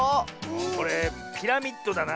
これピラミッドだな。